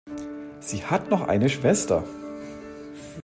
Sie hat noch eine Schwester.